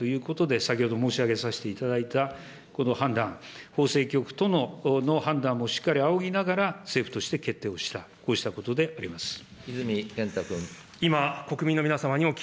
しかし、行政権の範囲内ということで、先ほど申し上げさせていただいた、この判断、法制局の判断もしっかり仰ぎながら、政府として決定をした、こうしたことであ泉健太君。